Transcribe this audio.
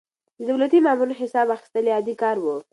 د دولتي مامورينو حساب اخيستل يې عادي کار و.